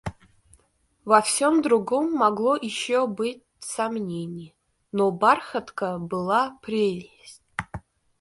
Во всем другом могло еще быть сомненье, но бархатка была прелесть.